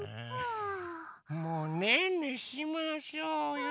もうねんねしましょうよ。